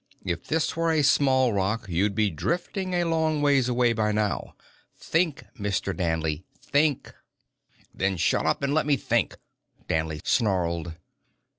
If this were a small rock, you'd be drifting a long ways away by now. Think, Mr. Danley, think." "Then shut up and let me think!" Danley snarled.